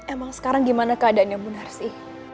emang sekarang gimana keadaannya bu narsi